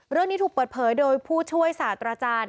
เรื่องนี้ถูกเปิดเผยโดยผู้ช่วยศาสตราจารย์